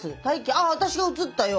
あ私が映ったよ。